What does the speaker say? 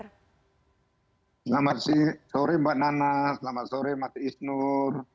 selamat sore mbak nana selamat sore mas isnur